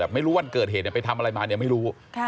ไม่รู้วันเกิดเหตุไปทำอะไรมาเนี่ยไม่รู้